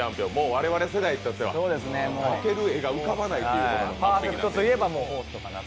我々世代にとっては負ける絵が浮かばないというほぼ完璧な。